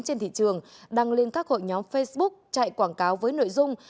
trên thị trường đăng lên các hội nhóm facebook chạy quảng cáo với nội dung